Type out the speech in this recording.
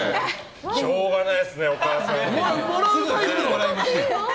しょうがないですねお母さん。